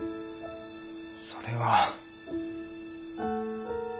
それは。